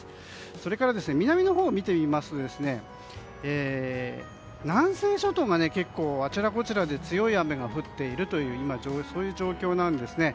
それから南のほうを見てみますと南西諸島で結構あちらこちらで強い雨が降っているという今そういう状況なんですね。